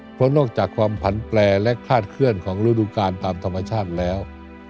เพราะนอกจากความผันแปลและคาดเคลื่อนของฤดูการตามธรรมชาติแล้ว